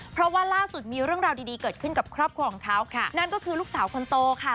เพราะว่าล่าสุดมีเรื่องราวดีดีเกิดขึ้นกับครอบครัวของเขานั่นก็คือลูกสาวคนโตค่ะ